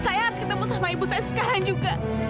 saya harus ketemu sama ibu saya sekarang juga